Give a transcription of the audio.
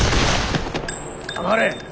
黙れ。